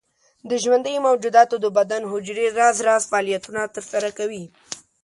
د ژوندیو موجوداتو د بدن حجرې راز راز فعالیتونه تر سره کوي.